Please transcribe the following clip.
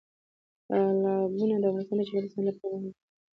تالابونه د افغانستان د چاپیریال ساتنې لپاره مهم دي.